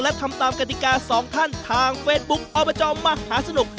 และทำตามกฎิกาสองท่านทางเฟซบุ๊คอบจมหาสนุก